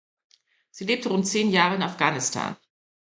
Sie lebte rund zehn Jahre in Afghanisthan.